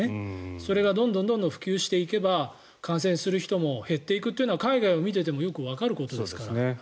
それがどんどん普及していけば感染する人も減っていくっていうのは海外を見ていてもよくわかることですから。